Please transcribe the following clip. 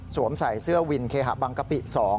ใส่เสื้อวินเคหะบังกะปิ๒